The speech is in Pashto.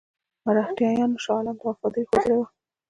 مرهټیانو شاه عالم ته وفاداري ښودلې وه.